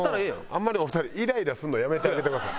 あんまりお二人イライラするのやめてあげてください。